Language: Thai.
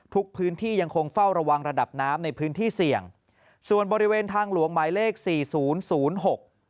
พื้นที่ยังคงเฝ้าระวังระดับน้ำในพื้นที่เสี่ยงส่วนบริเวณทางหลวงหมายเลขสี่ศูนย์ศูนย์หก